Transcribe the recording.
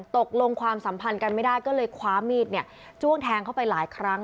ตกลงความสัมพันธ์กันไม่ได้ก็เลยคว้ามีดจ้วงแทงเข้าไปหลายครั้ง